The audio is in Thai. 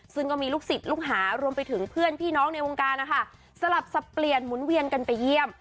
ซึ่งก็มีลูกศิษย์ลูกหารวมไปถึงเพื่อนพี่น้องในวงการนะคะสลับสับเปลี่ยนหมุนเวียนกันไปเยี่ยม